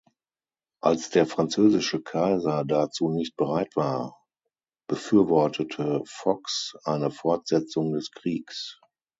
Als der französische Kaiser dazu nicht bereit war, befürwortete Fox eine Fortsetzung des Kriegs.